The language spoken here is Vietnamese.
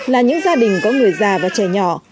là những gia đình có người già và trẻ nhỏ